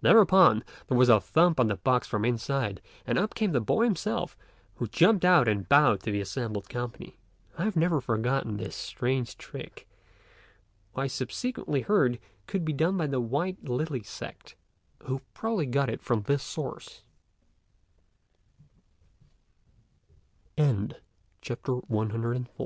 Thereupon, there was a thump on the box from the inside and up came the boy himself, who jumped out and bowed to the assembled company. I have never forgotten this strange trick, which I subsequently heard could be done by the White Lily sect, who probably got it from thi